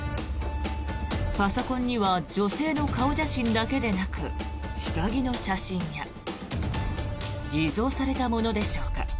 パソコンには女性の顔写真だけでなく下着の写真や偽造されたものでしょうか